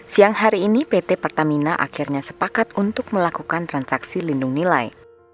siang hari ini pt pertamina akhirnya sepakat untuk melakukan transaksi lindung nilai